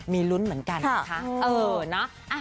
มีรุ้นเหมือนกันค่ะ